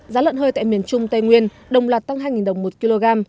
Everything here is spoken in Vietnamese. giá lợn hơi tại miền trung tây nguyên đồng loạt tăng hai đồng một kg